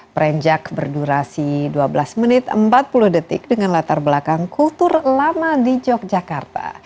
perenjak berdurasi dua belas menit empat puluh detik dengan latar belakang kultur lama di yogyakarta